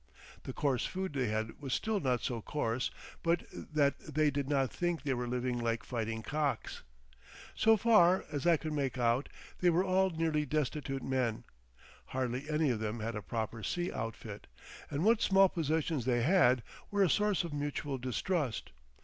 The coarse food they had was still not so coarse but that they did not think they were living "like fighting cocks." So far as I could make out they were all nearly destitute men; hardly any of them had a proper sea outfit, and what small possessions they had were a source of mutual distrust.